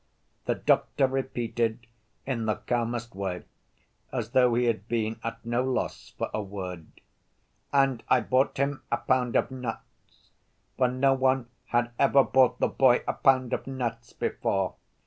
The doctor repeated in the calmest way as though he had been at no loss for a word. "And I bought him a pound of nuts, for no one had ever bought the boy a pound of nuts before.